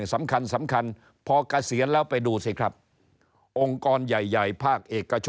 ในกรรมการใหญ่เขาจะเอาตัวไปเป็นที่ปรึกษา